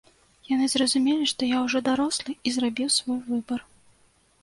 Яны зразумелі, што я ўжо дарослы, і зрабіў свой выбар.